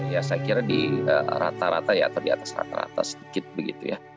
ya saya kira di rata rata ya atau di atas rata rata sedikit begitu ya